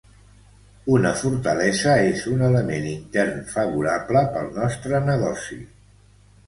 Una fortalesa és un element intern favorable pel nostre negoci.